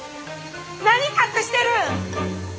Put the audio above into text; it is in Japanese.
何隠してるん！？